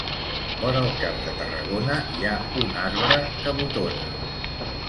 Vora el camp de Tarragona hi ha un arbre que botona.